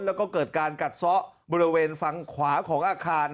แล้วก็เกิดการกัดซ้อบริเวณฝั่งขวาของอาคาร